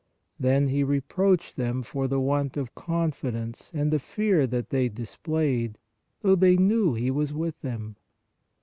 Then He re proached them for the want of confidence and the 8o PRAYER fear that they displayed, though they knew He was with them.